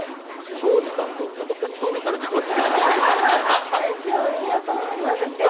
庄司さんとセット売りされてます？